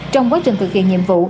trong quá trình thực hiện nhiệm vụ